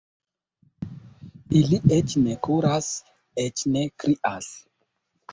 Ili eĉ ne kuras, eĉ ne krias.